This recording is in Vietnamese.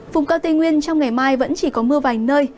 vùng cao tây nguyên trong ngày mai vẫn chỉ có mưa vài nơi